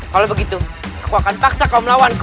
kalau begitu aku akan paksa kau melawanku